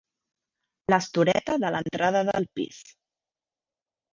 L'estoreta de l'entrada del pis.